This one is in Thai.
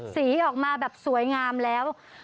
สีออกมาแบบสวยงามแล้ว